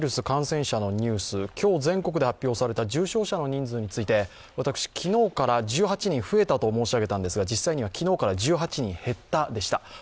感染者のニュース、今日全国で発表された重症者の人数について私、昨日から１８人増えたと申し上げたんですが実際には昨日から１８人減ったでした。